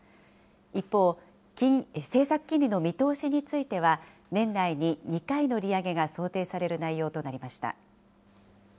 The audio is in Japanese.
一方、政策金利の見通しについては、年内に２回の利上げが想定される内容となりました。